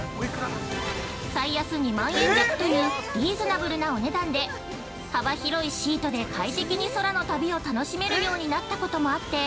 最安２万円弱というリーズナブルなお値段で幅広いシートで快適な空の旅を楽しめるようになったこともあって